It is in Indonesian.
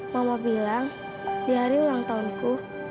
mama bilang di hari ulang tahunku